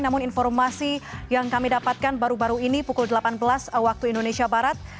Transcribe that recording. namun informasi yang kami dapatkan baru baru ini pukul delapan belas waktu indonesia barat